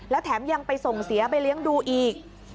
แล้วแถมยังไปส่งเสียไปเลี้ยงดูอีก